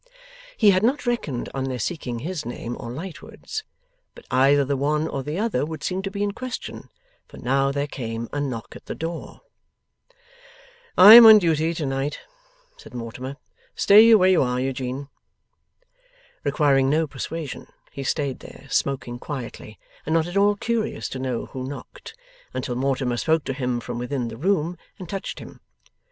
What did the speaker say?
He had not reckoned on their seeking his name, or Lightwood's. But either the one or the other would seem to be in question, for now there came a knock at the door. 'I am on duty to night,' said Mortimer, 'stay you where you are, Eugene.' Requiring no persuasion, he stayed there, smoking quietly, and not at all curious to know who knocked, until Mortimer spoke to him from within the room, and touched him.